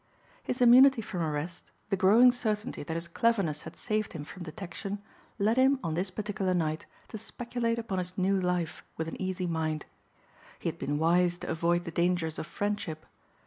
His immunity from arrest, the growing certainty that his cleverness had saved him from detection led him on this particular night to speculate upon his new life with an easy mind. He had been wise to avoid the dangers of friendship.